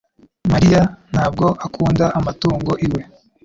mariya ntabwo akunda amatungo iwe